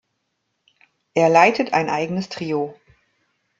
Er leitet ein eigenes Trio.